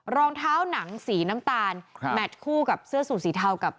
รองเท้าหนังสีน้ำตาลแมทคู่กับเสื้อสูตรสีเทากับ